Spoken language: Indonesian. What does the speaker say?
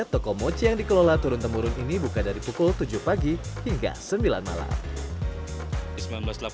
toko mochi yang dikelola turun temurun ini buka dari pukul tujuh pagi hingga sembilan malam